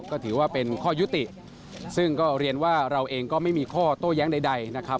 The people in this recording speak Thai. ก็ถือว่าเป็นข้อยุติซึ่งก็เรียนว่าเราเองก็ไม่มีข้อโต้แย้งใดนะครับ